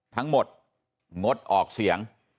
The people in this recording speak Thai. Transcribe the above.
ทั้งหมดงดออกเสียง